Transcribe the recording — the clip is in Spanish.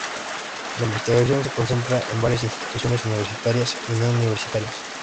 La investigación se concentra en varias instituciones universitarias y no-universitarias.